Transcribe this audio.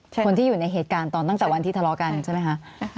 คนที่อยู่ในเหตุการณ์ตอนตั้งแต่วันที่ทะเลาะกันใช่ไหมคะ